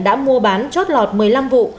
đã mua bán chót lọt một mươi năm vụ